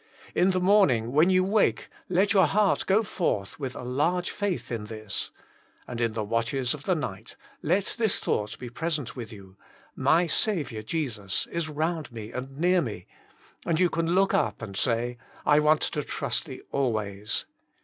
In the morning when you wake, let your heart go forth with a large faith in this ; and in the watches of the night let this thought be present with you — my Sav iour Jesus is round me and near me, and you can look up and say, I want to trust Thee always.